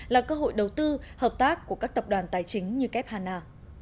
là cơ hội đầu tư hợp tác của các tập đoàn tài chính như kép hà na